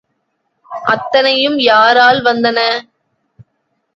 அத்தனையும் யாரால் வந்தன?